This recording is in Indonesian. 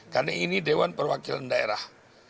karena ini dewan perwakilan daerah